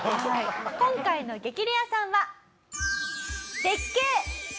今回の激レアさんは。